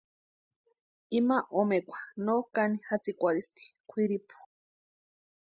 Ima omekwa no kani jatsïkwarhisti kwʼiripu.